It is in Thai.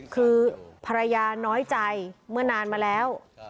คือภรรยาน้อยใจเมื่อนานมาแล้ว